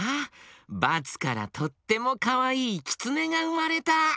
バツからとってもかわいいキツネがうまれた！